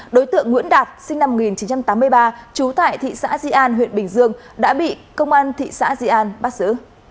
đối tượng nguyễn đạt sinh năm một nghìn chín trăm tám mươi ba trú tại thị xã di an huyện bình dương đã bị công an thị xã di an bắt xử